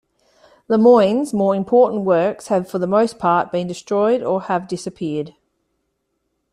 Lemoyne's more important works have for the most part been destroyed or have disappeared.